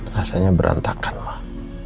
rasanya berantakan mak